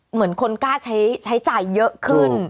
เหมือนคนกล้าใช้จ่ายเยอะขึ้น